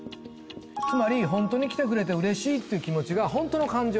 つまりホントに来てくれて嬉しいっていう気持ちがホントの感情